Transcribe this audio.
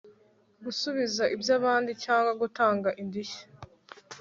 gusubiza iby abandi cyangwa gutanga indishyi